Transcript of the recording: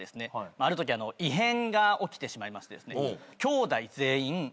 あるとき異変が起きてしまいましてですね。